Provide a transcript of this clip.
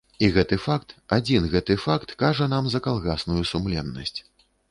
І гэты факт, адзін гэты факт кажа нам за калгасную сумленнасць.